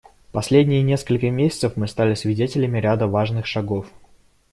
В последние несколько месяцев мы стали свидетелями ряда важных шагов.